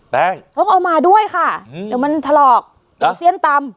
แป้งต้องเอามาด้วยค่ะอืมเดี๋ยวมันถลอกหรือเสี้ยนตำ